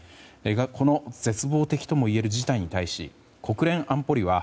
この絶望的ともいえる事態に対し国連安保理は